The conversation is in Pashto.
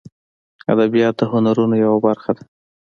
ادبیات د هنرونو یوه برخه ده